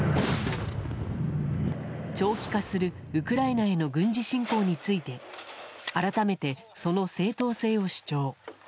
長期化するウクライナへの軍事侵攻について改めて、その正当性を主張。